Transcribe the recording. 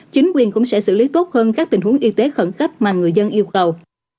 chính quyền cũng sẽ xử lý tốt hơn các tình huống y tế khẩn cấp mà người dân yêu cầu